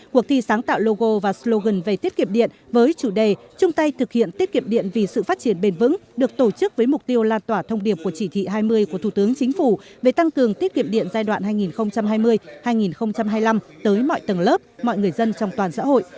cuộc thi sáng tạo logo và slogan về tiết kiệm điện với chủ đề trung tay thực hiện tiết kiệm điện vì sự phát triển bền vững được tổ chức với mục tiêu lan tỏa thông điệp của chỉ thị hai mươi của thủ tướng chính phủ về tăng cường tiết kiệm điện giai đoạn hai nghìn hai mươi hai nghìn hai mươi năm tới mọi tầng lớp mọi người dân trong toàn xã hội